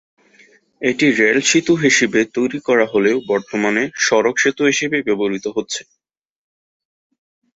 এটি রেল সেতু হিসেবে তৈরি করা হলেও বর্তমানে সড়ক সেতু হিসেবে ব্যবহৃত হচ্ছে।